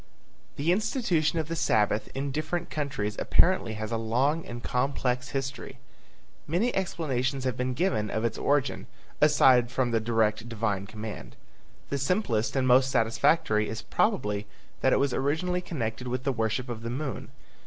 The institution of the Sabbath in different countries apparently has a long and complex history. Many explanations have been given of its origin, aside from the direct divine command. The simplest and most satisfactory is probably that it was originally connected with the worship of the moon.